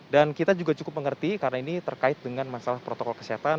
dan kita juga cukup mengerti karena ini terkait dengan masalah protokol kesehatan